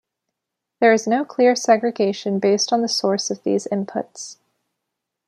There is no clear segregation based on the source of these inputs.